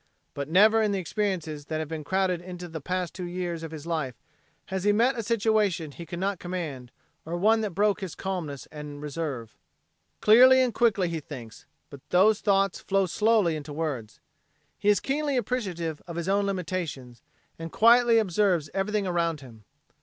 But never in the experiences that have been crowded into the past two years of his life has he met a situation he could not command, or one that broke his calmness and reserve. Clearly and quickly he thinks, but those thoughts flow slowly into words. He is keenly appreciative of his own limitations and quietly he observes everything around him.